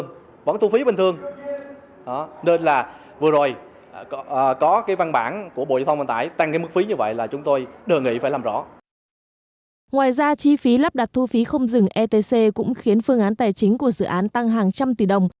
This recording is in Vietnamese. ngoài ra chi phí lắp đặt thu phí không dừng etc cũng khiến phương án tài chính của dự án tăng hàng trăm tỷ đồng